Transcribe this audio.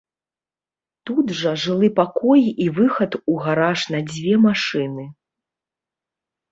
Тут жа жылы пакой і выхад у гараж на дзве машыны.